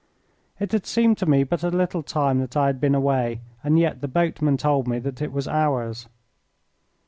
It had seemed to me but a little time that I had been away, and yet the boatman told me that it was hours.